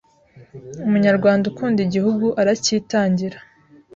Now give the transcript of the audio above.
Umunyarwanda ukunda Igihugu arakitangira.